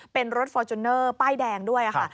เป็นรถฟอร์จูเนอร์ป้ายแดงด้วยค่ะ